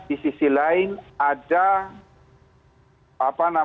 di sisi lain ada